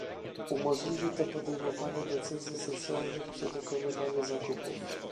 Umożliwi to podejmowanie decyzji socjalnych przy dokonywaniu zakupów